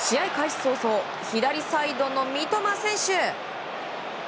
早々左サイドの三笘選手。